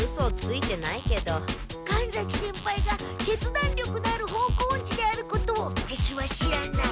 神崎先輩が決断力のある方向オンチであることを敵は知らない。